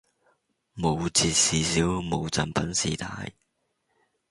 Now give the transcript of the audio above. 冇折事小，冇贈品事大